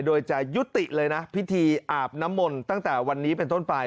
โดยจะยุติเลยนะพิธีอาบน้ำมนต์ตั้งแต่วันนี้เป็นต้นไป